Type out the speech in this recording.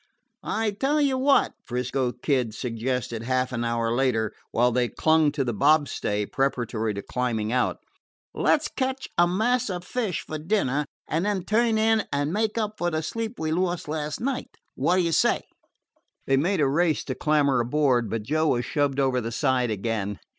"I 'll tell you what," 'Frisco Kid suggested half an hour later, while they clung to the bobstay preparatory to climbing out. "Let 's catch a mess of fish for dinner, and then turn in and make up for the sleep we lost last night. What d' you say?" They made a race to clamber aboard, but Joe was shoved over the side again.